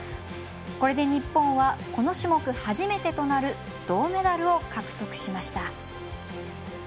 これで日本はこの種目初めてとなる銅メダルを獲得しました。